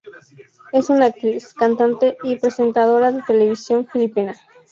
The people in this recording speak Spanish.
Es una actriz, cantante y presentadora de televisión filipina.